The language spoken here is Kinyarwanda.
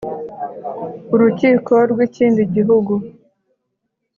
urukiko rw ikindi gihugu